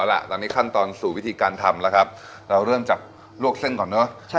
เอาล่ะตอนนี้ขั้นตอนสู่วิธีการทำแล้วครับเราเริ่มจากลวกเส้นก่อนเนอะ